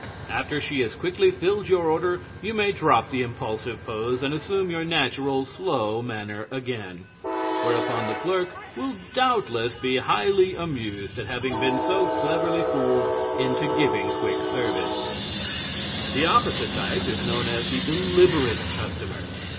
After she has quickly filled your order you may drop the impulsive pose and assume your natural, slow manner again, whereupon the clerk will doubtless be highly amused at having been so cleverly fooled into giving quick service. The opposite type is known as the Deliberate Customer.